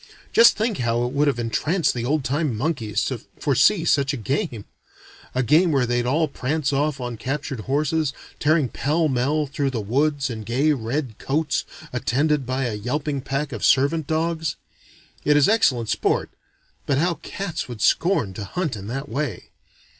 Just think how it would have entranced the old time monkeys to foresee such a game! A game where they'd all prance off on captured horses, tearing pell mell through the woods in gay red coats, attended by yelping packs of servant dogs. It is excellent sport but how cats would scorn to hunt in that way!